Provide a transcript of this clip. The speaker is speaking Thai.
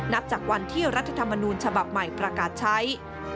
นับจากวันที่รัฐธรรมนูญฉบับใหม่ประกาศใช้